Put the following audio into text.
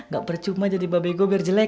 gak percuma jadi babi gue biar jelek